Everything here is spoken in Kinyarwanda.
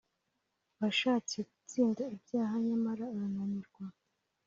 Washatse gutsinda ibyaha nyamara urananirwa